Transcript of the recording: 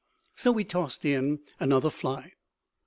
So we tossed in another fly.